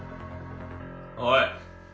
おい。